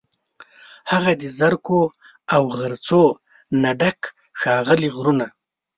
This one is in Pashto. هغه د زرکو، او غرڅو، نه ډک، ښاغلي غرونه